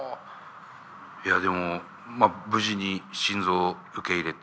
いやでもまあ無事に心臓を受け入れて。